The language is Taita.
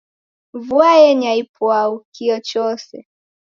Vua yenya ipwau, kio chose